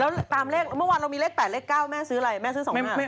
แล้วตามเลขเมื่อวานเรามีเลข๘เลข๙แม่ซื้ออะไรแม่ซื้อ๒๕ไหม